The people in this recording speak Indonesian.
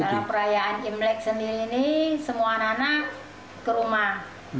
dalam perayaan imlek sendiri semua anak anak ke rumah